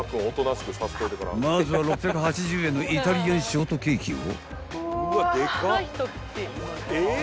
［まずは６８０円のイタリアンショートケーキを］